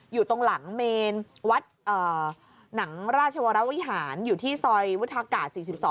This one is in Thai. อยู่ตรงหลังเมนวัดเอ่อหนังราชวรรมวิหารอยู่ที่ซอยวุฒากาศสี่สิบสอง